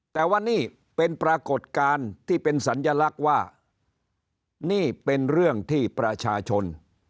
แต่ว่านี่เป็นปรากฏการณ์ที่เป็นสัญลักษณ์ว่านี่เป็นเรื่องที่ประชาชน